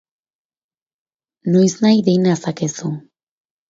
Noiznahi dei nazakezu.